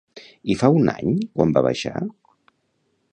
I fa un any quant va baixar?